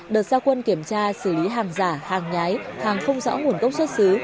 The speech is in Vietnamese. đợt gia quân kiểm tra xử lý hàng giả hàng nhái hàng không rõ nguồn gốc xuất xứ